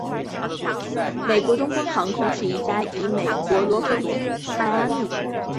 美国东方航空是一家以美国佛罗里达州迈阿密国际机场为基地的航空公司。